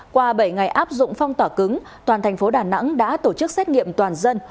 qua bảy ngày áp dụng phong tỏa cứng toàn thành phố đà nẵng đã tổ chức xét nghiệm toàn dân